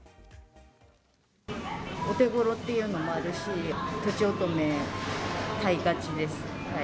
お手ごろっていうのもあるし、とちおとめ、買いがちです。